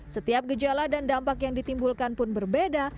setiap gejala dan dampak yang ditimbulkan pun berbeda